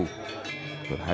berhadi wicaksono lumajang